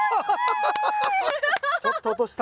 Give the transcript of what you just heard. ちょっと落とした。